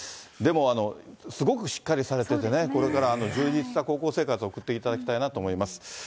でもすごくしっかりされててね、これから充実した高校生活を送っていただきたいなと思います。